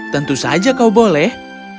tentu saja kau boleh